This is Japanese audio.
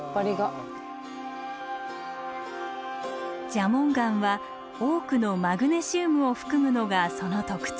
蛇紋岩は多くのマグネシウムを含むのがその特徴。